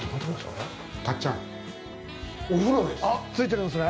かっちゃん、お風呂です。